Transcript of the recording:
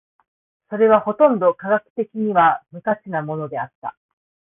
それはほとんど科学的には無価値なものであった。